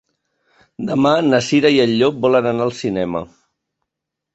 Demà na Cira i en Llop volen anar al cinema.